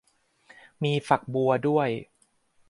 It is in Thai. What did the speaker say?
มีฝักบัวด้วย